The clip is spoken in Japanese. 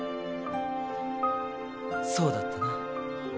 そうだったな。